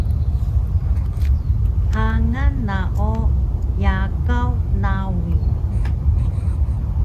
Hangan na o Yakaw Nawi